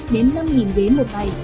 bốn năm trăm linh đến năm ghế một ngày